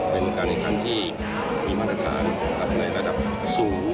เป็นการแข่งขันที่มีมาตรฐานในระดับสูง